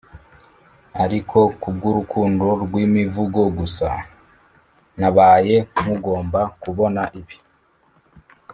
ariko kubwurukundo rwimivugo gusa nabaye nkugomba kubona ibi.